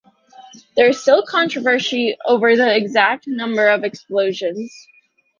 There is still controversy over the exact number of explosions.